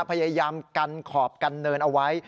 พยายามกันขอบกันเนินเอาไว้